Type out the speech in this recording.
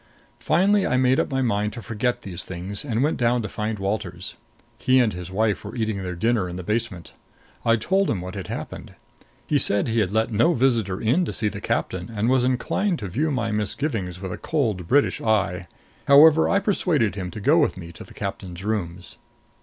Finally I made up my mind to forget these things and went down to find Walters. He and his wife were eating their dinner in the basement. I told him what had happened. He said he had let no visitor in to see the captain, and was inclined to view my misgivings with a cold British eye. However, I persuaded him to go with me to the captain's rooms.